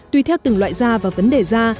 tuy theo từng loại da và vấn đề da